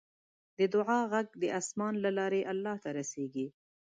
د دعا غږ د اسمان له لارې الله ته رسیږي.